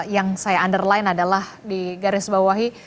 yang saya underline adalah di garis bawahi